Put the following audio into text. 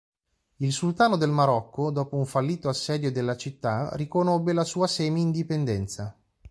Il Sultano del Marocco, dopo un fallito assedio della città, riconobbe la sua semi-indipendenza.